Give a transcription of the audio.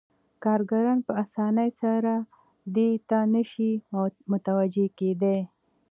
کارګران په اسانۍ سره دې ته نشي متوجه کېدای